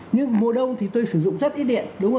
nhưng mùa đông thì tôi sử dụng rất ít điện